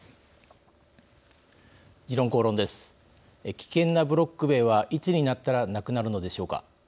危険なブロック塀はいつになったらなくなるのでしょうか。